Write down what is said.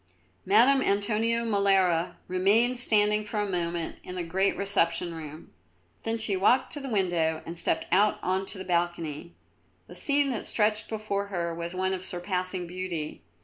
Madame Antonio Molara remained standing for a moment in the great reception room. Then she walked to the window and stepped out on to the balcony. The scene which stretched before her was one of surpassing beauty.